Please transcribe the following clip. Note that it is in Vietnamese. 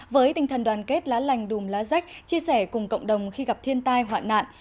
với tinh thần đoàn kết lá lành đùm lá rách chia sẻ cùng cộng đồng khi gặp thiên tai hoạn nạn